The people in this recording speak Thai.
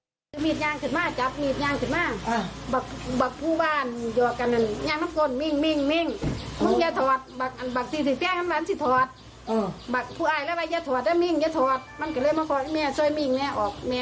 ก็เลยบอกพี่สาวแม่อันนี้จะเปิดปากมิ้งค์ด้วยมิ้งค์ถือข้อมัน